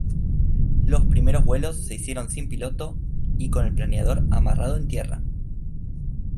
Los primeros vuelos se hicieron sin piloto, y con el planeador amarrado en tierra.